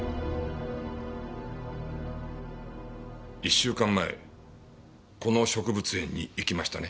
１週間前この植物園に行きましたね？